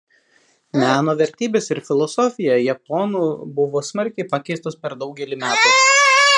Meno vertybės ir filosofija japonų buvo smarkiai pakeistos per daugelį metų.